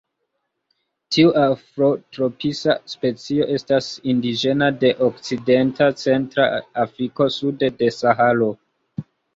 Tiu afrotropisa specio estas indiĝena de Okcidenta Centra Afriko sude de Saharo.